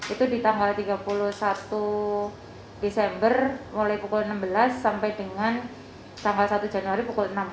itu di tanggal tiga puluh satu desember mulai pukul enam belas sampai dengan tanggal satu januari pukul enam